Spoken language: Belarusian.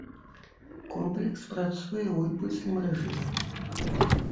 Комплекс працуе ў імпульсным рэжыме.